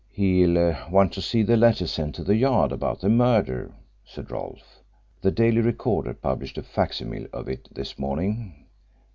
"He'll want to see the letter sent to the Yard about the murder," said Rolfe. "The Daily Recorder published a facsimile of it this morning."